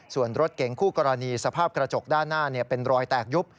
ส่วนรถเก๋งคู่กรณีสภาพกระจกด้านหน้าเป็นรอยแตกยุบ